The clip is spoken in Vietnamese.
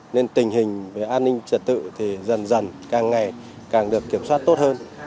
nên tình hình về an ninh trật tự thì dần dần càng ngày càng được kiểm soát tốt hơn